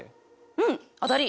うん当たり！